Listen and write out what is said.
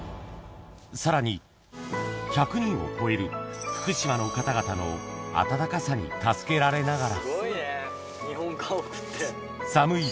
さらに１００人を超える福島の方々の温かさに助けられながら。